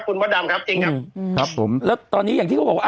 คุณมดดำครับเองครับครับผมแล้วตอนนี้อย่างที่เขาบอกว่า